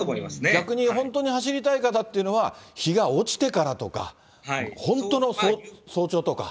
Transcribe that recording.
逆に本当に走りたい方というのは、日が落ちてからとか、本当の早朝とか。